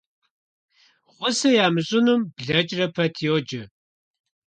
Гъусэ ямыщӀынум блэкӀрэ пэт йоджэ.